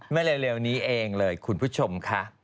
เร็วนี้เองเลยคุณผู้ชมค่ะ